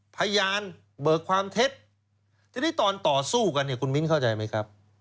พยานเบิกความเท็จทีนี้ตอนต่อสู้กันเนี่ยคุณมิ้นเข้าใจไหมครับ